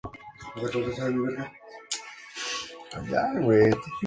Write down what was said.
Iván Merz era el promotor del movimiento litúrgico en Croacia.